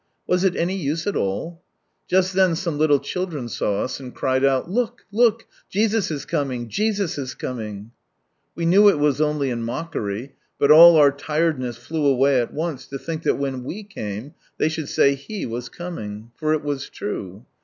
Was it any use at all ? Just then some little children saw ns, and cried out, " Look, look, Jesus is coming ! Jesus is coming I " We knew it was only in mockery, but all our tiredness flew away at once, to think that when ive came they should say He was coming t for it was true.